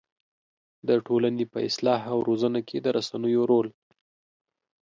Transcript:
د ټولنې په اصلاح او روزنه کې د رسنيو رول